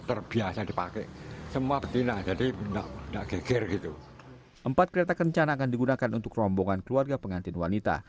empat kereta kencana akan digunakan untuk rombongan keluarga pengantin wanita